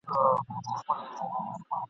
له حملو د ګیدړانو د لېوانو !.